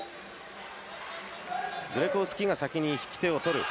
グレコウスキーが先に引き手を取る。